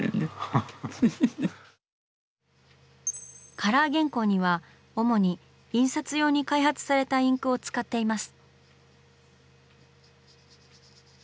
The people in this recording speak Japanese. カラー原稿には主に印刷用に開発されたインクを使っています。